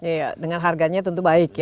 iya dengan harganya tentu baik ya